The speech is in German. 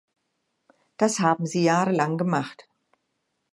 Das haben sie jahrelang gemacht.